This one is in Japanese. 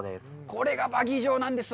これがバギー場です。